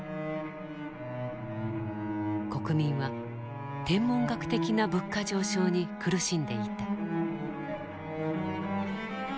国民は天文学的な物価上昇に苦しんでいた。